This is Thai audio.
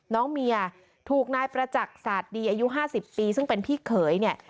น้องเมียถูกนายประจักษ์ศาสตร์ดีอายุ๕๐ปีซึ่งเป็นพี่เขยเนี่ย